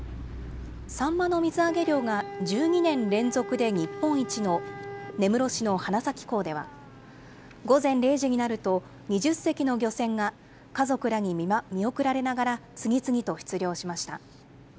サンマの水揚げ量が１２年連続で日本一の根室市の花咲港では、午前０時になると、２０隻の漁船が家族らに見送られながら、次々と出漁しました。